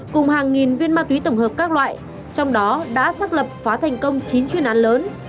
cùng hàng nghìn viên ma túy tổng hợp các loại trong đó đã xác lập phá thành công chín chuyên án lớn